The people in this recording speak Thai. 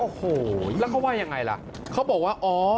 โอ้โหแล้วเขาว่ายังไงล่ะเขาบอกว่าอ๋อ